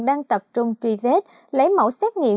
đang tập trung truy vết lấy mẫu xét nghiệm